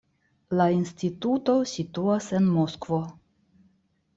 La instituto situas en Moskvo.